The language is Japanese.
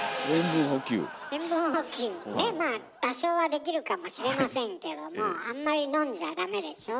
まあ多少はできるかもしれませんけどもあんまり飲んじゃダメでしょ。